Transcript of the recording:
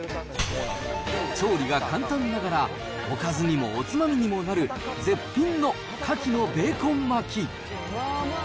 調理が簡単ながら、おかずにもおつまみにもなる、絶品のカキのベーコン巻き。